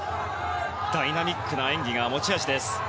ダイナミックな演技が持ち味です。